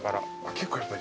結構やっぱり。